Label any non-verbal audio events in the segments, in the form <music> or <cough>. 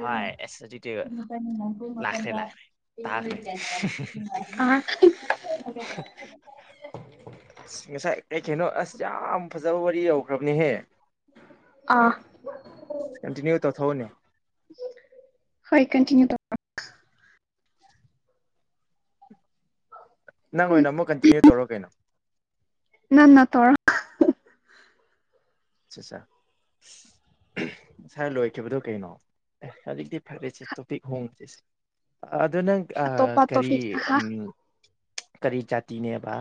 ꯍꯣꯏ ꯑꯁ ꯑꯗꯨꯗꯤ ꯂꯥꯛꯈ꯭ꯔꯦ ꯂꯥꯛꯈ꯭ꯔꯦ ꯇꯥꯈ꯭ꯔꯦ ꯄꯗ ꯉꯁꯥꯏꯅꯣ ꯑꯁ ꯌꯥꯝꯝ ꯐꯖꯕ ꯋꯥꯔꯤ ꯌꯧꯈ꯭ꯔꯕꯅꯤꯍꯦ ꯑꯥ ꯀꯟꯇꯤꯅ꯭ꯌꯨ ꯇꯧꯊꯣꯛꯎꯅꯦ ꯍꯣꯏ ꯀꯟꯇꯤꯤꯟꯌꯨ ꯇ ꯅꯪ ꯎꯝ ꯑꯣꯏꯅ ꯑꯃꯨꯛ ꯀꯟꯇꯤꯅ꯭ꯌꯨ ꯇꯧꯔꯣ ꯀꯩꯅꯣ ꯅꯅꯥ ꯇꯣꯔ ꯠ ꯉꯁꯥꯏ ꯂꯣꯏꯈꯤꯕꯗꯨꯣ ꯀꯩꯅꯣ ꯑꯦ ꯍꯧꯖꯤꯛꯇꯤ ꯐꯔꯦꯁꯦ ꯇꯣꯄꯤꯛ ꯍꯣꯡꯗ ꯑꯗꯨ ꯅꯪ ꯑꯇꯣꯞꯄ ꯀꯔꯤ ꯇꯣꯄꯤꯛ ꯍꯥ ꯀꯔꯤ ꯖꯥꯇꯤꯅꯦꯕ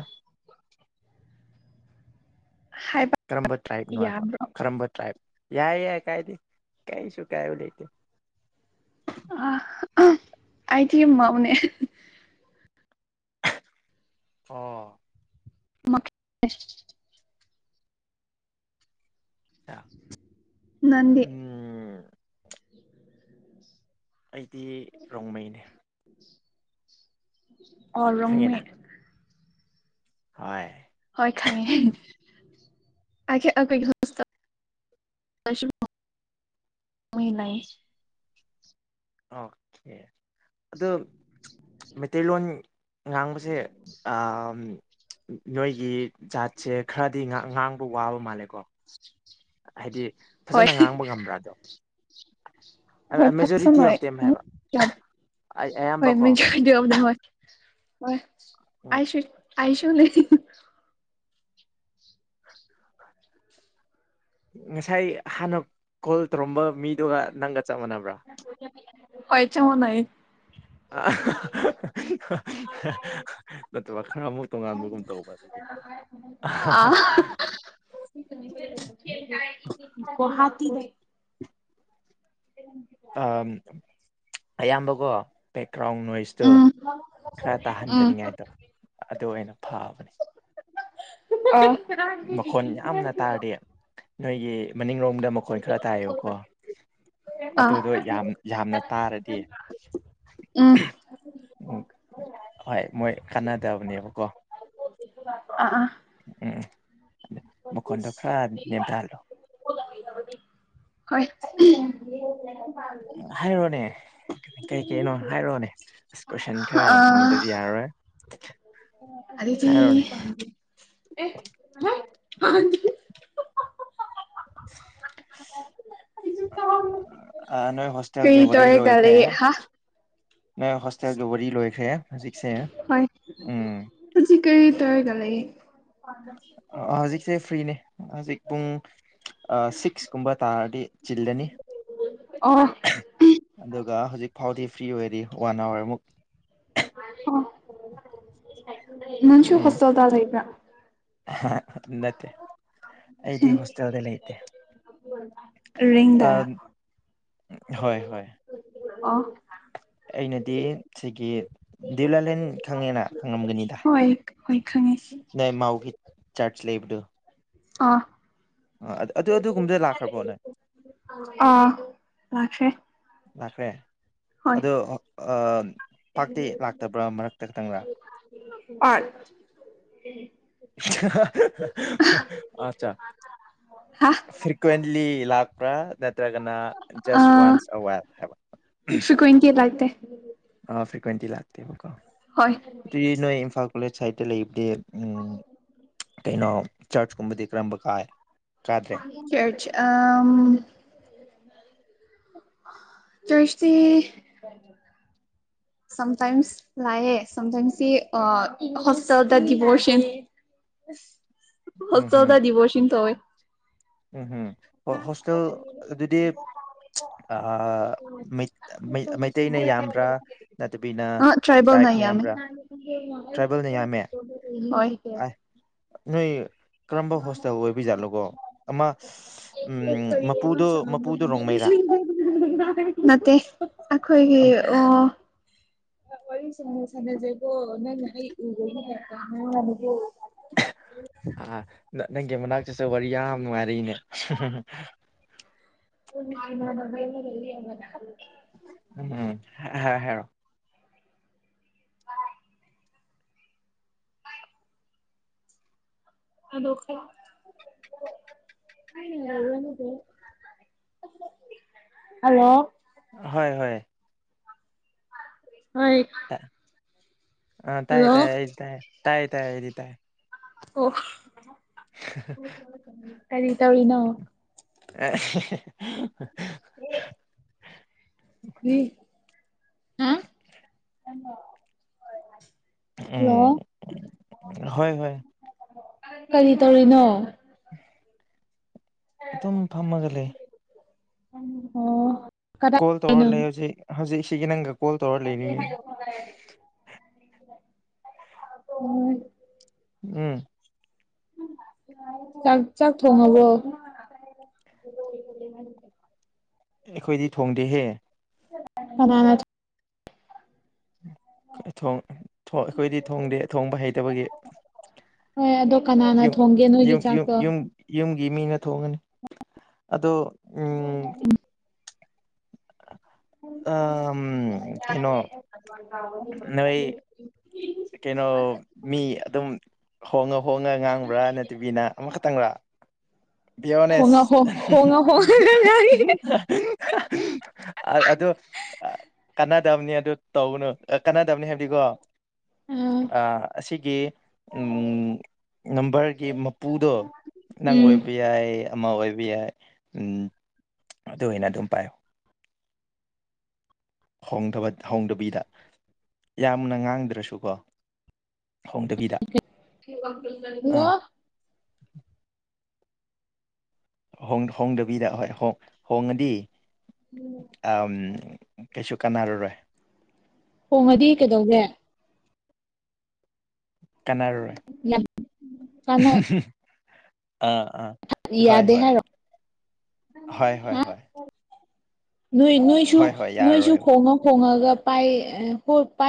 ꯍꯥꯏꯕ ꯈꯝꯝꯕꯠ ꯇꯥꯏꯕ ꯅ ꯍꯥꯏ ꯌꯥꯕ꯭ꯔꯣ ꯈꯝꯝꯕꯠ ꯇꯥꯏꯕ ꯌꯥꯏ ꯌꯥꯏ ꯀꯥꯏ ꯅ ꯀꯥꯏ ꯁꯨ ꯀꯥꯏ ꯅꯇ ꯑ ꯑꯩꯗꯤꯃꯎꯅꯦ ꯑ <inaudible> ꯅꯦ <inaudible> ꯎꯝ ꯑꯩꯗꯤ ꯔꯣꯡꯃꯩꯅꯦ ꯑꯣꯔꯝ ꯍ‌‌ ꯈꯪꯉꯦ ꯑꯦ ꯑꯩꯈꯣꯏ ꯍꯁ ꯑꯣꯀꯦ ꯑꯗ ꯃꯩꯇꯩꯂꯣꯟ ꯉꯥꯡꯕꯁꯦ ꯅꯣꯏꯒꯤ ꯖꯥꯠꯁꯦ ꯈꯔꯗꯤ ꯉꯥꯡꯕ ꯋꯥꯕ ꯃꯥꯜꯂꯦꯀꯣ ꯍꯥꯏꯗꯤ ꯐꯖꯅ ꯉꯥꯡꯕ ꯉꯝꯕ꯭ꯔꯥꯗꯣ ꯎ ꯍꯣꯏ ꯐꯁ ꯗꯦꯝ ꯍꯥꯏꯕ ꯌꯥꯗ ꯍꯣꯏ ꯑꯌꯥꯝꯕꯀꯣ ꯃꯁꯨꯗ ꯍꯣꯏ ꯍ ꯎꯝ ꯑꯁꯨ ꯑꯁ <inaudible> ꯉꯁꯥꯏ ꯍꯥꯟꯅ ꯀꯣꯜ ꯇꯧꯔꯝꯕ ꯃꯤꯗꯨꯒ ꯅꯪꯒ ꯆꯞ ꯃꯥꯟꯅꯕ꯭ꯔꯥ ꯀꯩꯆ ꯍꯅꯥꯥꯏ ꯅꯠꯇꯕ ꯈꯔ ꯑꯃꯨꯛ ꯇꯣꯉꯥꯟꯕꯒꯨꯝ ꯇꯧꯕꯒꯤ ꯑ <unintelligible> ꯒꯍꯥꯇꯤ ꯅꯦ ꯑ ꯑꯌꯥꯝꯕꯀꯣ ꯀ꯭ꯔꯥꯎꯟ ꯅꯣꯏꯁꯇꯣ ꯎꯝ ꯈꯔ ꯇꯥꯍꯟꯗꯅꯤꯡꯉꯥꯏꯗꯣ ꯑꯗꯨ ꯑꯣꯏꯅ ꯐꯕꯅꯦ ꯃꯈꯣꯟ ꯇꯔ ꯌꯥꯝꯅ ꯇꯥꯔꯗꯤ <unintelligible> ꯅꯣꯏꯒꯤ ꯃꯅꯤꯡꯂꯣꯝꯗ ꯃꯈꯣꯟ ꯈꯔ ꯇꯥꯏꯌꯦꯕꯀꯣ ꯑꯗꯨꯗꯣ ꯌꯥꯝ ꯌꯥꯝꯅ ꯇꯥꯔꯗꯤ ꯎꯝ ꯎ ꯍꯣꯏ ꯃꯣꯏ ꯀꯥꯟꯅꯗꯕꯅꯦꯕ ꯀꯣ ꯑꯥ ꯑ ꯎꯝ ꯑꯗ ꯃꯈꯣꯟꯗꯣ ꯈꯔ ꯅꯦꯝꯊꯍꯜꯂꯣ ꯍꯣꯏ ꯍꯥꯏꯔꯣꯅꯦ ꯀꯩ ꯀꯩꯅꯣ ꯍꯥꯏꯔꯣꯅꯦ ꯑꯁ ꯀꯣꯏꯁꯟ ꯈꯔ ꯌꯥꯝ ꯑꯥ ꯍꯪꯗꯗꯤ ꯌꯥꯔꯣꯏ <inaudible> ꯑꯗꯨꯗꯤ <inaudible> ꯑ ꯅꯣꯏ ꯀꯩ ꯍꯣꯁꯇꯦꯜꯒꯤ ꯇꯩꯔꯦ <unintelligible> ꯍꯣꯁꯇꯦꯜꯒ ꯋꯥꯔꯤ ꯂꯣꯏꯈ꯭ꯔꯦ ꯍꯧꯖꯤꯛꯁꯦ ꯎꯝ ꯀꯩ ꯇꯔꯒ ꯂꯩ ꯍꯧꯖꯤꯛꯁꯦ ꯐ꯭ꯔꯤꯅꯦ ꯍꯧꯖꯤꯛ ꯄꯨꯡ ꯁꯤꯛꯁꯀꯨꯝꯕ ꯇꯥꯔꯗꯤ ꯆꯤꯜꯂꯅꯤ ꯑꯣ ꯑꯗꯨꯒ ꯍꯧꯖꯤꯛ ꯐꯥꯎꯗꯤ ꯐ꯭ꯔꯤ ꯑꯣꯏꯗꯤ ꯋꯥꯟ ꯑꯋꯥꯔ ꯑꯃꯨꯛ ꯑ ꯃꯁꯨ ꯎꯝ ꯍꯣꯁꯇꯦꯜꯗ ꯂꯩꯕ꯭ꯔ <unintelligible> ꯅꯠꯇꯦ ꯑꯩꯗꯤ ꯍꯣꯁꯇꯦꯜꯗ ꯂꯩꯇꯦ ꯔꯦꯡꯗ ꯍꯣꯏ ꯍꯣꯏ ꯑꯩꯅꯗꯤ ꯁꯤꯒꯤ ꯗꯤꯔꯂꯥꯂꯦꯟ ꯈꯪꯉꯦꯅ ꯉꯝꯒꯅꯤꯗ ꯍꯣꯏ ꯍꯣꯏ ꯈꯪꯉꯦ ꯃꯥꯎꯒꯤ ꯆꯔꯆ ꯂꯩꯕꯗꯨꯣ ꯑ ꯑ ꯑꯗꯨ ꯑꯗꯨꯒꯨꯝꯕꯗ ꯂꯥꯛꯈ꯭ꯔꯕꯣꯅꯦ ꯂꯥꯈ꯭ꯔꯦ ꯂꯥꯛꯈ꯭ꯔꯦ ꯑꯗꯣ ꯄꯥꯛꯇꯤ ꯂꯥꯛꯇꯕ꯭ꯔꯥ ꯃꯔꯛꯇ ꯈꯤꯇꯪꯂꯥ ꯑꯠ ꯑꯆꯥ ꯍꯥ ꯐ꯭ꯔꯀ꯭ꯋꯦꯟꯂꯤ ꯂꯥꯛꯄ꯭ꯔ ꯅ ꯅꯠꯇ꯭ꯔꯒꯅ ꯖꯁ ꯋꯥꯟꯁ ꯑꯥ ꯑꯋꯥꯔ ꯍꯥꯏꯕ ꯐ꯭ꯔꯤꯀ꯭ꯋꯦꯟꯇꯤ ꯂꯥꯛꯇꯦ ꯇ꯭ꯋꯦꯟꯇꯤ ꯂꯥꯛꯇꯦꯕꯀꯣ ꯍꯣꯏ ꯅꯣꯏ ꯏꯝꯐꯥ ꯀꯣꯂꯦꯖ ꯁꯥꯏꯗ ꯂꯩꯕꯗꯤ ꯎꯝ ꯀꯩꯅꯣ ꯆꯔꯆ ꯀꯨꯝꯕꯗꯤ ꯀꯔꯝꯕ ꯀꯥꯏ ꯀꯥꯗ꯭ꯔꯦ ꯁꯦꯠ ꯆꯦ ꯑ ꯇꯁꯁꯤ ꯁꯝꯇꯥꯏꯝꯁ ꯂꯥꯛꯑꯦ ꯁꯝꯇꯥꯏꯝꯁꯁꯤ ꯍꯣꯁꯦꯜꯗ ꯗꯤꯚꯣꯔꯁꯟ ꯍ ꯆꯗ ꯗꯤꯕꯁꯤ ꯊꯋꯥꯏ ꯎꯝ ꯍꯝ ꯍ ꯍꯣꯁꯇꯦꯜ ꯑꯗꯨꯗꯤ ꯃꯩꯇꯩꯅ ꯌꯥꯝꯕ꯭ꯔꯥ ꯅꯠꯇꯕꯤꯅ ꯑꯥ ꯇ꯭ꯔꯥꯏꯕꯦꯜꯅ ꯇ꯭ꯔꯥꯏꯞꯅ ꯌꯥꯝꯃꯦ ꯌꯥꯝꯕ꯭ꯔꯥ ꯇ꯭ꯔꯥꯏꯕꯦꯜꯅ ꯌꯥꯝꯃꯦ ꯑꯥꯏ <inaudible> <inaudible> ꯀꯔꯝꯕ ꯍꯣꯁꯇꯦꯜ ꯑꯣꯏꯕꯤ ꯌꯥꯖꯥꯠꯂꯣꯒꯣ ꯑꯃ <inaudible> ꯎꯝ ꯃꯄꯨꯗꯣ ꯃꯄꯨꯗꯣ ꯔꯣꯡꯃꯩꯔꯥ ꯑꯩꯈꯣꯏꯒꯤ ꯑꯝ ꯑꯣ ꯑꯣꯏ ꯁ ꯁꯅꯖ ꯑꯣ ꯑꯩ ꯎ <inaudible> ꯑ ꯅꯪꯒꯤ ꯃꯅꯥꯛꯛꯇꯠꯁꯨꯦ ꯋꯥꯔꯤ ꯌꯥꯝ ꯌꯥꯝ ꯅꯨꯡꯉꯥꯏꯔꯛꯏꯅꯦ ꯎꯅ ꯃ ꯃ ꯎꯝ ꯍꯦꯔꯣ ꯍꯜꯂꯣ ꯍꯣꯏ ꯍꯣꯏ ꯍ ꯑ ꯇꯥꯏ ꯇꯥꯏꯌꯦꯌꯦ ꯇꯥꯏ ꯇꯥꯏ ꯇ ꯑꯣ ꯀꯔꯤ ꯇꯧꯔꯤꯅꯣ <inaudible> ꯍ ꯎꯝ ꯑ ꯎꯝ ꯍꯣꯏ ꯍꯣꯏ ꯀꯔꯤ ꯇꯧꯔꯤꯅꯣ ꯑꯗꯨꯝ ꯐꯝꯃꯒ ꯂꯩ ꯎ ꯑꯣ ꯀꯣꯜ ꯇꯧꯔ ꯀꯗꯥꯏꯗꯅꯣ ꯂꯩ ꯍꯧꯖꯤ ꯍꯧꯖꯤꯛ ꯆꯤꯅꯪꯒ ꯀꯣꯜ ꯇꯧꯔ ꯂꯩꯅꯤꯅꯤ ꯍ ꯎꯝ ꯆꯥꯛ ꯆꯥꯛ ꯊꯣꯡꯉꯕꯣ ꯑꯩꯈꯣꯏꯗꯤ ꯊꯣꯡꯗꯦꯍꯦ ꯐꯅ ꯊꯣꯡ ꯑꯩꯈꯣꯏꯗꯤ ꯊꯣꯡꯗꯦ ꯊꯣꯡꯕ ꯍꯩꯇꯕꯒꯤ ꯍꯣꯏ ꯑꯗꯣ ꯀꯅꯥꯅ ꯌ ꯊꯣꯡꯒꯦ ꯅꯣꯏꯒꯤ ꯆꯥꯛꯇꯣ ꯌꯨꯝꯒꯤ ꯃꯤꯅ ꯊꯣꯡꯉꯅꯤ ꯑꯗꯣ ꯎꯝ ꯑ ꯀꯩꯅꯣ ꯅꯣꯏ ꯑ ꯀꯩꯅꯣ ꯃꯤ ꯑꯗꯨꯝ ꯍꯣꯡꯉ ꯍꯣꯡꯉ ꯉꯥꯡꯕ꯭ꯔꯥ ꯅꯠꯇꯕꯤꯅ ꯑꯃꯈꯛꯇꯪꯕꯥ ꯄꯣꯅꯦꯁ ꯍꯣꯡꯉ ꯍꯣꯡꯉ ꯍꯣꯡꯉꯒ ꯉꯥꯡꯉꯤ <inaudible> ꯑ ꯑꯗꯨ ꯑꯗꯨ ꯀꯅꯥ ꯗꯥꯝꯅꯤ ꯑꯗꯨ ꯇꯧꯕꯅ ꯀꯥꯟꯅꯗꯕꯅꯤ ꯍꯥꯏꯕꯗꯤꯀꯣ ꯑꯥ ꯑꯁꯤꯒꯤ ꯅꯝꯕꯔꯒꯤ ꯃꯄꯨꯗꯣ ꯅꯪ ꯎꯝ ꯑꯣꯏ ꯌꯥꯏ ꯑꯃ ꯑꯣꯏꯕ ꯌꯥꯏ ꯑꯗꯨ ꯑꯣꯏꯅ ꯑꯗꯨꯝ ꯄꯥꯏꯌ ꯍꯣꯡꯗꯕꯤꯗ ꯌꯥꯝꯅ ꯉꯥꯡꯗ꯭ꯔꯁꯨꯀꯣ ꯍꯣꯡꯗꯕꯤꯗ ꯑꯥ <inaudible> ꯍꯣꯡꯗꯕꯤꯗ ꯍꯣꯏ ꯍꯣꯡꯉꯗꯤ ꯑ ꯀꯩꯁꯨ ꯀꯥꯟꯅꯔꯔꯣꯏ ꯍꯣꯡꯉꯗꯤ ꯀꯩꯗꯧꯒꯦ ꯀꯅꯥꯔꯨꯔꯦ ꯌꯥꯝ ꯀꯥꯟꯅ ꯑꯥ ꯑꯥ ꯍ ꯌꯥꯗꯦ ꯍ ꯍꯥꯏꯔꯣ ꯍ ꯍ ꯍꯥ ꯍ ꯅꯣꯏ ꯅꯣꯏꯁꯨ ꯅꯣꯏꯁꯨ ꯈꯣꯡꯉ ꯈꯣꯡꯉꯒ ꯄꯥꯏ ꯍ ꯄꯥꯏ